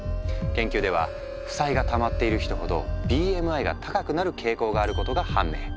研究では負債がたまっている人ほどＢＭＩが高くなる傾向があることが判明。